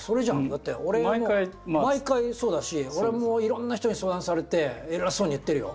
だって俺毎回そうだし俺もいろんな人に相談されて偉そうに言ってるよ。